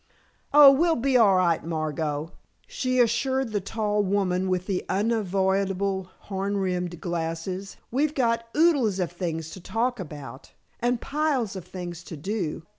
"Oh, we'll be all right, Margot," she assured the tall woman with the unavoidable horn rimmed glasses. "We've got oodles of things to talk about, and piles of things to do.